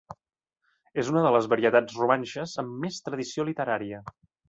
És una de les varietats romanxes amb més tradició literària.